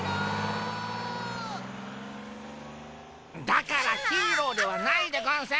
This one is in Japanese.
だからヒーローではないでゴンス！